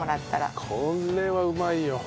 これうまいよね。